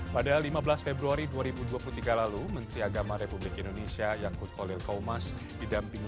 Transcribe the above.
pedirakan yang diinginkan oleh omar khan